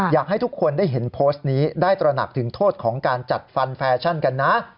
อยากให้ทุกคนได้เห็นโพสต์นี้ได้ตระหนักถึงโทษของการจัดฟันแฟชั่นกันนะ